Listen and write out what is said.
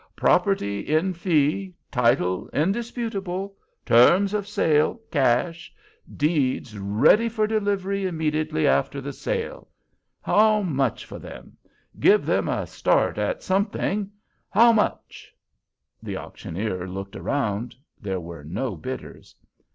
Property in fee—title indisputable—terms of sale, cash—deeds ready for delivery immediately after the sale. How much for them? Give them a start at something. How much?" The auctioneer looked around; there were no bidders.